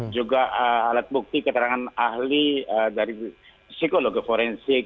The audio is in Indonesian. juga alat bukti keterangan ahli dari psikologi forensik